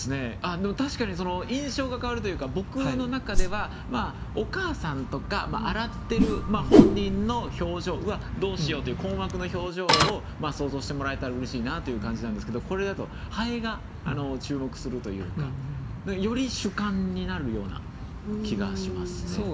でも確かに印象が変わるというか僕の中ではお母さんとか洗ってる本人の表情うわどうしようという困惑の表情を想像してもらえたらうれしいなという感じなんですけどこれだと蠅が注目するというかより主観になるような気がしますね。